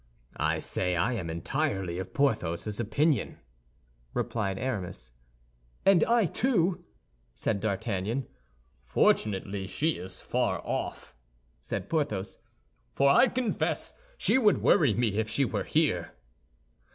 "I say I am entirely of Porthos's opinion," replied Aramis. "And I, too," said D'Artagnan. "Fortunately, she is far off," said Porthos, "for I confess she would worry me if she were here."